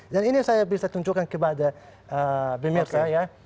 dan ini saya bisa tunjukkan kepada pemirsa ya